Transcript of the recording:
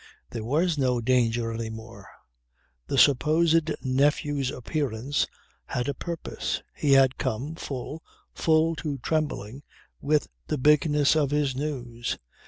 There was no danger any more. The supposed nephew's appearance had a purpose. He had come, full, full to trembling with the bigness of his news.